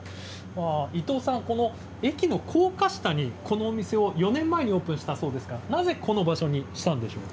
伊東さん、駅の高架下にこのお店を４年前にオープンしたそうですが、なぜこの場所にしたんでしょうか。